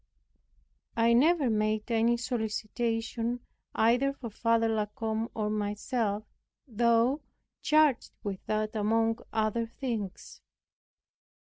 I never made any solicitation either for Father La Combe or myself, though charged with that among other things.